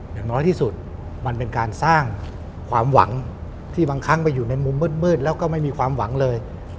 อย่างน้อยที่สุดมันเป็นการสร้างความหวังที่บางครั้งไปอยู่ในมุมมืดแล้วก็ไม่มีความหวังเลย